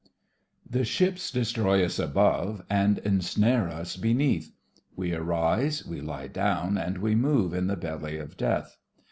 The ships destroy us above And ensnare us beneath. We arise, we lie down, and we move In the belly of Death.